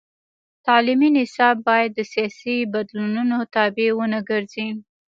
تعلیمي نصاب باید د سیاسي بدلونونو تابع ونه ګرځي.